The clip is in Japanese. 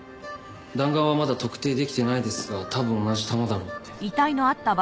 弾丸はまだ特定できてないですが多分同じ弾だろうって。